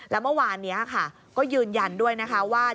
แล้วเมื่อวานนี้ค่ะก็ยืนยันด้วยนะคะว่า